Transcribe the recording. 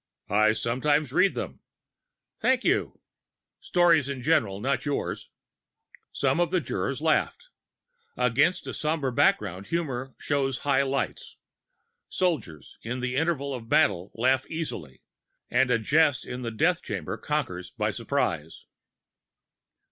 "I sometimes read them." "Thank you." "Stories in general not yours." Some of the jurors laughed. Against a sombre background humor shows high lights. Soldiers in the intervals of battle laugh easily, and a jest in the death chamber conquers by surprise.